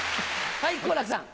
はい好楽さん。